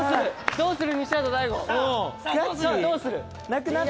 どうする？